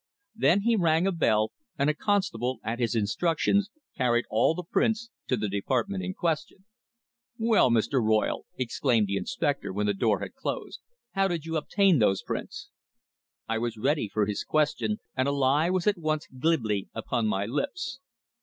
Then he rang a bell, and a constable, at his instructions, carried all the prints to the department in question. "Well, Mr. Royle," exclaimed the inspector when the door had closed; "how did you obtain those prints?" I was ready for his question, and a lie was at once glibly upon my lips.